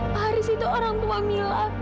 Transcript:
haris itu orang tua mila